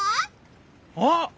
あっ！